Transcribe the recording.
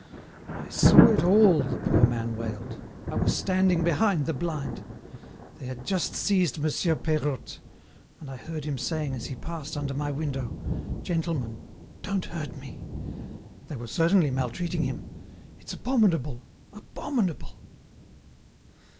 "I saw it all!" the poor man wailed. "I was standing behind the blind. They had just seized Monsieur Peirotte, and I heard him saying as he passed under my window: 'Gentlemen, don't hurt me!' They were certainly maltreating him. It's abominable, abominable."